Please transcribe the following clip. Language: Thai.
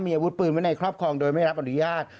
มีอาวุธปืนไว้ในครอบครองโดยไม่รับอนุญาต